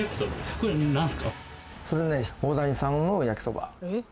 これね、大谷さんの焼きそば。